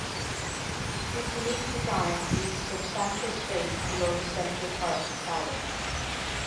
This unique design leaves a substantial space below the central part of the tower.